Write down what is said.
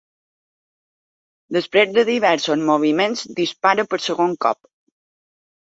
Després de diversos moviments dispara per segon cop.